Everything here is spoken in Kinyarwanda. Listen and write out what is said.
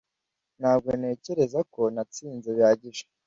Ntabwo ntekereza ko natsinze bihagije.